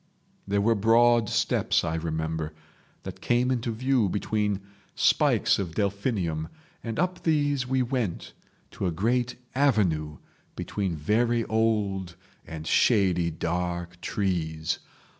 There were broad steps, I remember, that came into view between spikes of delphinium, and up these we went to a great avenue between very old and shady dark trees.